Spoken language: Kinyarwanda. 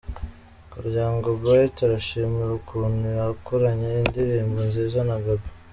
Karyango Bright arishimira ukuntu yakoranye indirimbo nziza na Gaby.